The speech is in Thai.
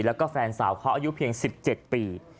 แล้วก็แฟนสาวเขาอายุเพียง๑๗ปี